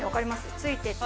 ついてて。